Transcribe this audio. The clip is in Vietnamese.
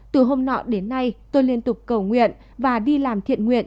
từ hôm nọ đến nay tôi liên tục cầu nguyện và đi làm thiện nguyện